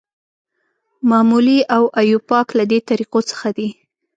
معمولي او ایوپاک له دې طریقو څخه دي.